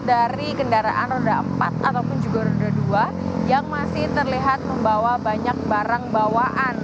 dari kendaraan roda empat ataupun juga roda dua yang masih terlihat membawa banyak barang bawaan